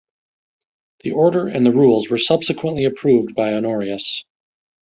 The order and the rules were subsequently approved by Honorius.